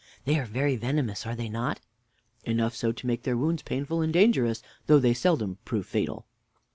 W. They are very venomous, are they not? Mr. A. Enough so to make their wounds painful and dangerous, though they seldom prove fatal.